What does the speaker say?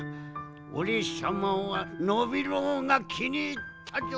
おれさまはノビローがきにいったぞ。